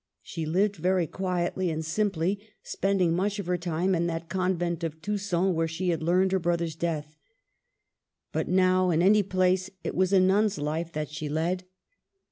She lived very quietly and simply, spending much of her time in that convent of Tusson where she had learned her brother's death. But now, in any place, it was a nun's life that she led.